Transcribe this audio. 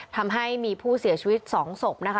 ทำให้มีผู้เสียชีวิต๒ศพนะคะ